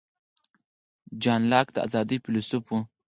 جان لاک د آزادۍ فیلیسوف و.